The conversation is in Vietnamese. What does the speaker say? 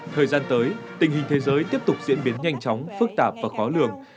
thời gian tới tình hình thế giới tiếp tục diễn biến nhanh chóng phức tạp và khó lường